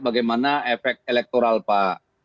bagaimana efek elektoral pak